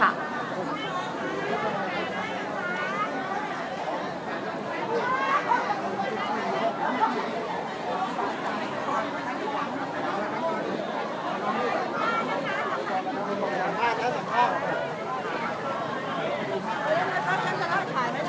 และที่อยู่ด้านหลังคุณยิ่งรักนะคะก็คือนางสาวคัตยาสวัสดีผลนะคะ